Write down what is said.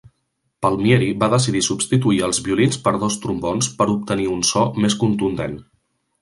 Palmieri va decidir substituir els violins per dos trombons per obtenir un so més contundent.